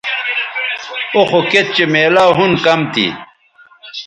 او خو کِت چہء میلاو ھُن کم تھی